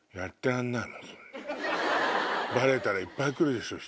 バレたらいっぱい来るでしょ人。